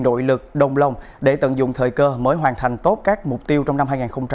nội lực đồng lòng để tận dụng thời cơ mới hoàn thành tốt các mục tiêu trong năm hai nghìn hai mươi